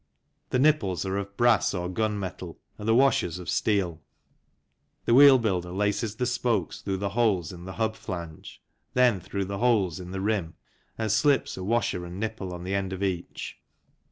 The nipples are of brass or gun metal and the washers of steel. The wheel builder laces the spokes through the holes in the hub flange, then through the holes in the rim and slips a washer and nipple on the end of each.